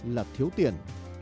là thiếu tiền